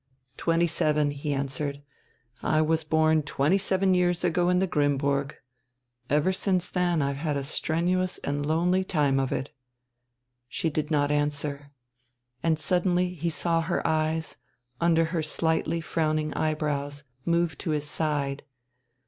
"Twenty seven," he answered. "I was born twenty seven years ago in the Grimmburg. Ever since then I've had a strenuous and lonely time of it." She did not answer. And suddenly he saw her eyes, under her slightly frowning eye brows, move to his side.